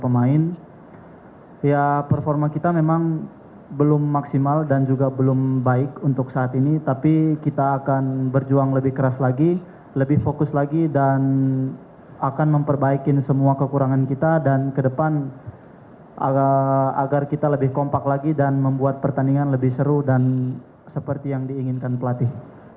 pemain ya performa kita memang belum maksimal dan juga belum baik untuk saat ini tapi kita akan berjuang lebih keras lagi lebih fokus lagi dan akan memperbaikin semua kekurangan kita dan ke depan agar kita lebih kompak lagi dan membuat pertandingan lebih seru dan seperti yang diinginkan pelatih